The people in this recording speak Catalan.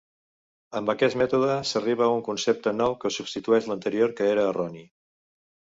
Amb aquest mètode, s'arriba a un concepte nou que substitueix l'anterior, que era erroni.